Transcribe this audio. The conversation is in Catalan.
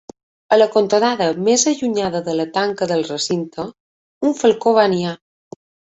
A la cantonada més allunyada de la tanca del recinte, un falcó va niar.